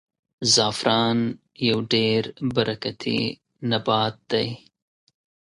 زعفران یو ډېر برکتي نبات دی.